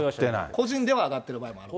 個人では上がってる場合もある。